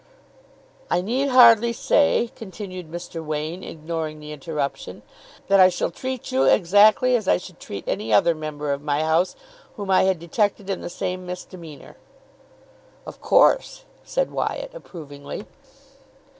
"I need hardly say," continued Mr. Wain, ignoring the interruption, "that I shall treat you exactly as I should treat any other member of my house whom I had detected in the same misdemeanour." "Of course," said Wyatt, approvingly.